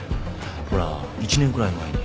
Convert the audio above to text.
ほら１年くらい前に。